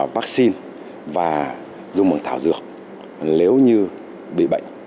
và dùng bằng thảo dược nếu như bị bệnh